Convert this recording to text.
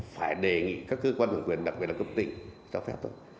phải đề nghị các cơ quan hội quyền đặc biệt là cấp tỉnh cho phép thôi